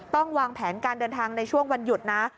วางแผนการเดินทางในช่วงวันหยุดนะ